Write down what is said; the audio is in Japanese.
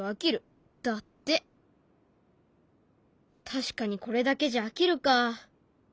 確かにこれだけじゃ飽きるか。